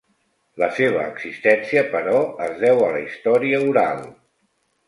La seva existència però es deu a la història oral.